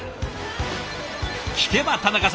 聞けば田中さん